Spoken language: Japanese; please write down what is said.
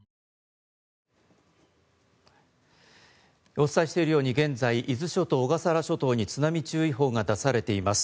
お伝えしているように現在、伊豆諸島、小笠原諸島に津波注意報が出されています。